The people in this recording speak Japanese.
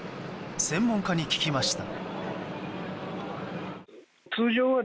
専門家に聞きました。